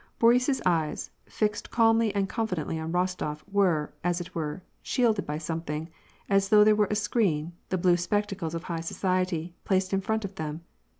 Boris's eyes, fixed calmly and confi dently on Bostof, were, as it were, shielded by something — as though there were a screen, the blue spectacles of high soci ety— placed in front of them.